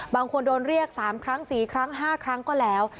บางคนโดนเรียก๓ครั้ง๔ครั้ง๕ครั้งก็แล้ว